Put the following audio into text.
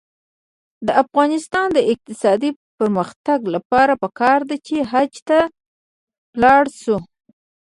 د افغانستان د اقتصادي پرمختګ لپاره پکار ده چې حج ته لاړ شو.